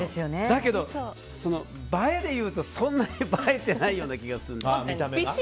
だけど、映えでいうとそんなに映えてないような気がする。